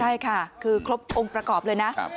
ใช่ค่ะคือครบองค์ประกอบเลยนะ